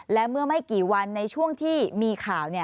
และเมื่อไม่กี่วันในช่วงที่มีข่าว